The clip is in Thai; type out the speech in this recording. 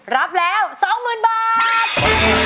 รับแล้วสองหมื่นบาท